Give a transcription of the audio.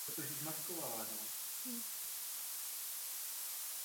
Uvádí se jako prezident spolkového ústředního výboru.